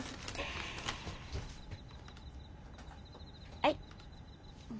はい。